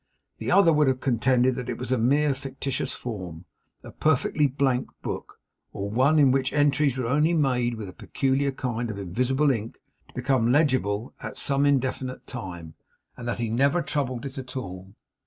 The other would have contended that it was a mere fictitious form; a perfectly blank book; or one in which entries were only made with a peculiar kind of invisible ink to become legible at some indefinite time; and that he never troubled it at all.